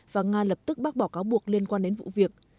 và nga lập tức bác bỏ cáo buộc liên quan đến vụ việc